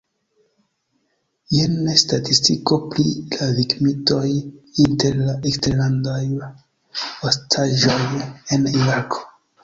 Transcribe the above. Jen statistiko pri la viktimoj inter la eksterlandaj ostaĝoj en Irako.